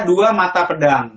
dua mata pedang